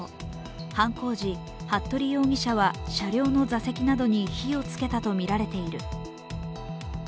犯行時、服部容疑者は車両の座席などに火を付けたとみられている。